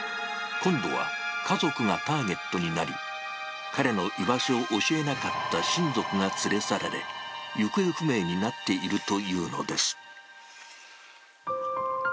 今度は家族がターゲットになり、彼の居場所を教えなかった親族が連れ去られ、行方不明になっているというのです。